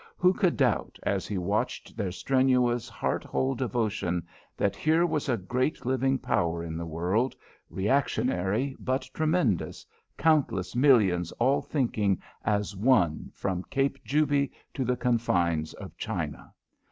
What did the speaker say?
Who could doubt, as he watched their strenuous, heart whole devotion, that here was a great living power in the world, reactionary but tremendous, countless millions all thinking as one from Cape Juby to the confines of China?